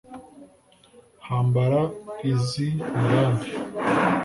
Hambara iz' i Murambi